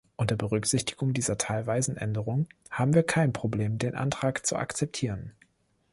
Unter Berücksichtigung dieser teilweisen Änderung haben wir kein Problem, den Antrag zu akzeptieren.